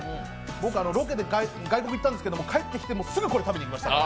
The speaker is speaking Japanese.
僕、ロケで外国、行ったんですけども帰ってきてもうすぐこれ食べに行きました。